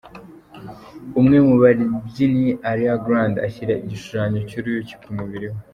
Umwe mu babyinnyi ba Ariana Grande ashyira igishushanyo cy’uruyuki ku mubiri we.